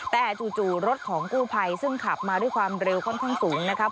แต่จู่รถของกู้ภัยซึ่งขับมาด้วยความเร็วค่อนข้างสูงนะครับ